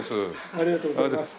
ありがとうございます。